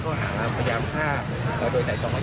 เขากลับไปบ้านพ่อแม่เขาครับ